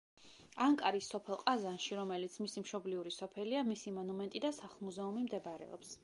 ანკარის სოფელ ყაზანში, რომელიც მისი მშობლიური სოფელია, მისი მონუმენტი და სახლ-მუზეუმი მდებარეობს.